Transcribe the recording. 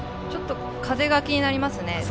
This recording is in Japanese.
風が気になりますね。